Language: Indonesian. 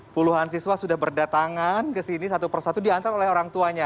puluhan siswa sudah berdatangan ke sini satu persatu diantar oleh orang tuanya